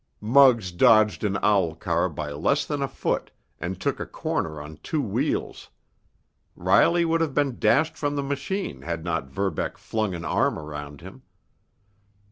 Muggs dodged an owl car by less than a foot, and took a corner on two wheels. Riley would have been dashed from the machine had not Verbeck flung an arm around him.